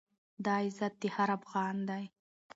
دا عزت د هر افــــغـــــــان دی،